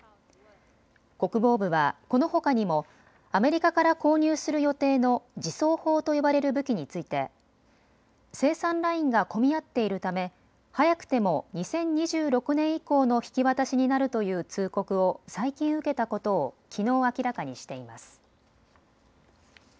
国防部はこのほかにもアメリカから購入する予定の自走砲と呼ばれる武器について生産ラインが混み合っているため早くても２０２６年以降の引き渡しになるという通告を最近受けたことをきのう明らかにしています。